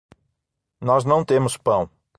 Nós não temos pão